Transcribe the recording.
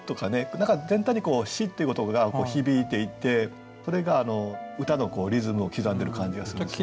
何か全体に「し」っていう言葉が響いていてこれが歌のリズムを刻んでる感じがするんですね。